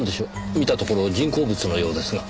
見たところ人工物のようですが。